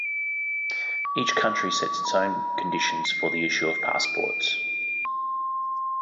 Each country sets its own conditions for the issue of passports.